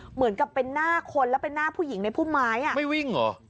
เหมือนกับเป็นหน้าคนแล้วเป็นหน้าผู้หญิงในพุ่มไม้อ่ะไม่วิ่งเหรอ